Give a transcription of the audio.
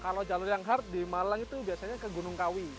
kalau jalur yang hard di malang itu biasanya ke gunung kawi